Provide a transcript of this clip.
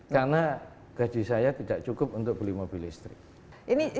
karena gaji saya tidak cukup untuk beli mobil listrik